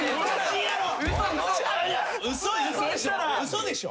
嘘でしょ。